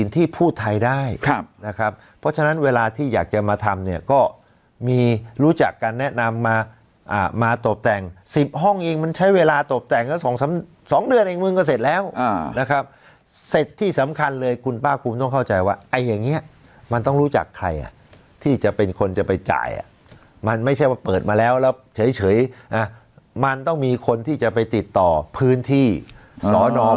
ที่อยากจะมาทำเนี่ยก็มีรู้จักการแนะนำมาอ่ามาตบแต่งสิบห้องเองมันใช้เวลาตบแต่งแล้วสองสามสองเดือนเองมึงก็เสร็จแล้วอ่านะครับเสร็จที่สำคัญเลยคุณป้าคุมต้องเข้าใจว่าไอ้อย่างเงี้ยมันต้องรู้จักใครอ่ะที่จะเป็นคนจะไปจ่ายอ่ะมันไม่ใช่ว่าเปิดมาแล้วแล้วเฉยเฉยอ่ะมันต้องมีคนที่จะไปติดต่อพื้นที่ส